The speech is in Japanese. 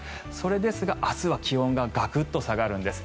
ですが、明日は気温がガクッと下がるんです。